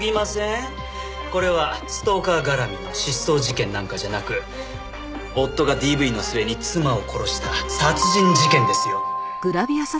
これはストーカー絡みの失踪事件なんかじゃなく夫がＤＶの末に妻を殺した殺人事件ですよ。